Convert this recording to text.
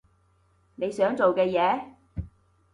你想做嘅嘢？